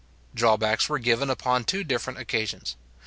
Drawbacks were given upon two different occasions.